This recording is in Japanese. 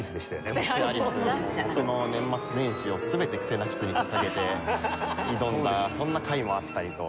僕の年末年始を全てクセナキスに捧げて挑んだそんな回もあったりと。